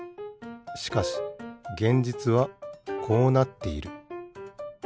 しかし現実はこうなっている。